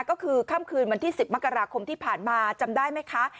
ก็คือค่ำคืนวันที่๑๐มกราคมที่ผ่านมาจำได้ไหมคะ